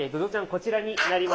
こちらになります。